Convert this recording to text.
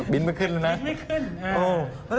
บินไม่ขึ้นเลยนะ